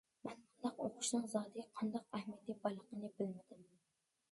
مەن بۇنداق ئوقۇشنىڭ زادى قانداق ئەھمىيىتى بارلىقىنى بىلمىدىم.